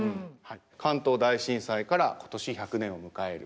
関東大震災から今年１００年を迎える。